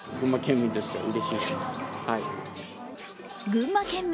群馬県民